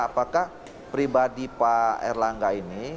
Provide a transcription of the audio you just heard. apakah pribadi pak erlangga ini